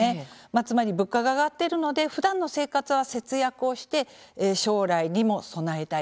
つまり物価が上がっているのでふだんの生活は節約をして将来にも備えたい。